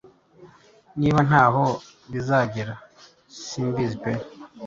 Niba ntaho bizagera simbizi pe